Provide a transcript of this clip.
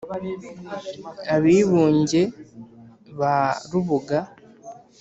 ab’i bunge, ba rubuga,